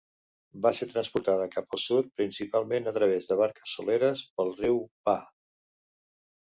Va ser transportada cap al sud principalment a través de barques soleres pel riu Váh.